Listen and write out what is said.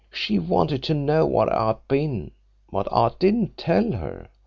She wanted to know where I'd been, but I didn't tell her.